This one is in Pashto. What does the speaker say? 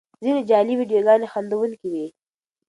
ځینې جعلي ویډیوګانې خندوونکې وي.